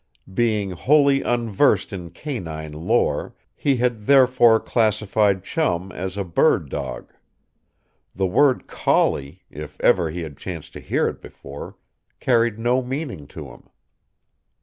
Being wholly unversed in canine lore, he had, therefore, classified Chum as a "bird dog". The word "collie", if ever he had chanced to hear it before, carried no meaning to him.